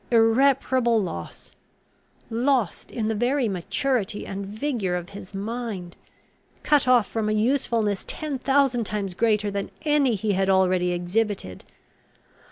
Irreparable loss! Lost in the very maturity and vigour of his mind! Cut off from a usefulness ten thousand times greater than any he had already exhibited!